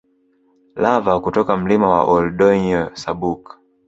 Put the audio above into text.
Lava kutoka Mlima wa Ol Doinyo Sabuk